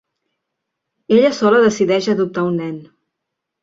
Ella sola decideix adoptar un nen.